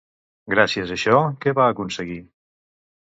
Gràcies a això, què va aconseguir?